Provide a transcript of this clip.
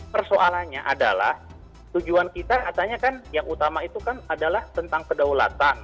persoalannya adalah tujuan kita katanya kan yang utama itu kan adalah tentang kedaulatan